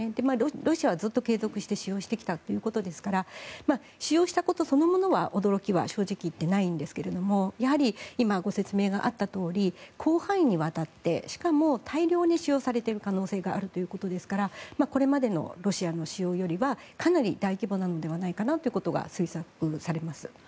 ロシアはずっと継続して使用してきたということですから使用したことそのものは驚きは正直言ってないんですがやはり今、ご説明があったとおり広範囲にわたって、しかも大量に使用されている可能性があるということですからこれまでのロシアの使用よりはかなり大規模なのではないかなということが推測されます。